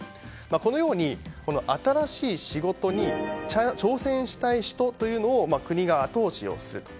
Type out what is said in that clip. このように新しい仕事に挑戦したい人というのを国が後押しをすると。